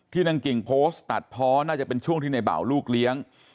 นางกิ่งโพสต์ตัดเพาะน่าจะเป็นช่วงที่ในเบาลูกเลี้ยง